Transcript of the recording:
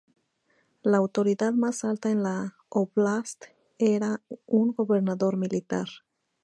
La autoridad más alta en la óblast era un gobernador militar.